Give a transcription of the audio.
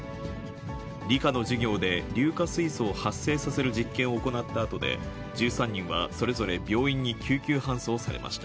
理科の授業で硫化水素を発生させる実験を行ったあとで、１３人はそれぞれ病院に救急搬送されました。